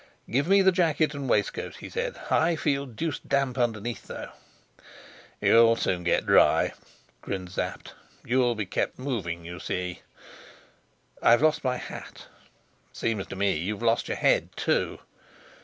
"Give me the jacket and waistcoat," he said. "I feel deuced damp underneath, though." "You'll soon get dry," grinned Sapt. "You'll be kept moving, you see." "I've lost my hat." "Seems to me you've lost your head too."